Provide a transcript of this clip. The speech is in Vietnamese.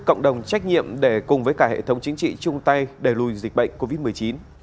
cộng đồng trách nhiệm để cùng với cả hệ thống chính trị chung tay đẩy lùi dịch bệnh covid một mươi chín